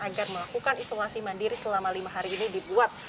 agar melakukan isolasi mandiri selama lima hari ini dibuat